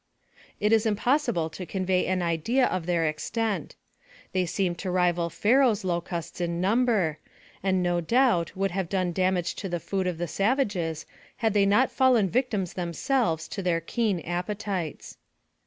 It is impossible to convey an idea of their extent; they seemed to rival Pharaoh's locusts in number, and no doubt would have done damage to the food of the savages had they not fallen victims themselves to their keen appetites.